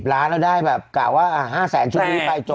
๑๐ล้านแล้วได้แบบกะว่า๕แสนชีวิตไปจบ